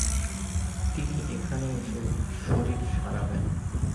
তিনি এখানে এসে শরীর সারাবেন।